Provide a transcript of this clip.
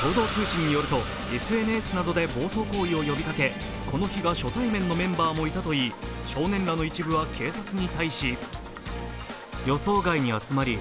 共同通信による、ＳＮＳなどで暴走行為を呼びかけ、この日が初対面のメンバーもいたといい、少年らの一部は警察に対しと話したという。